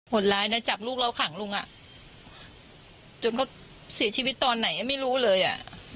ดร้ายนะจับลูกเราขังลุงอ่ะจนเขาเสียชีวิตตอนไหนไม่รู้เลยอ่ะ